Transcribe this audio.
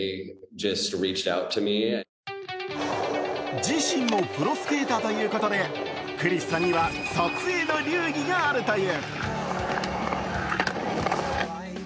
自身もプロスケーターということで、クリスさんには撮影の流儀があるという。